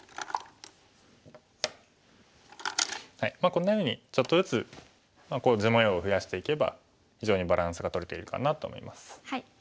こんなようにちょっとずつ地模様を増やしていけば非常にバランスがとれているかなと思います。